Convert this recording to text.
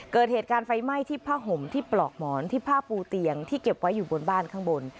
เกิดเหตุการณ์ไฟไหม้ที่ผ้าห่มที่ปลอกหมอนที่ผ้าปูเตียงที่เก็บไว้อยู่บนบ้านข้างบน